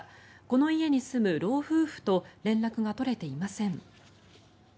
この家に住む老夫婦と連絡が取れていません。